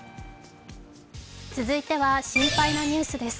続いては心配なニュースです。